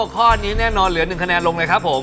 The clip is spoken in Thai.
ข้อนี้แน่นอนเหลือ๑คะแนนลงเลยครับผม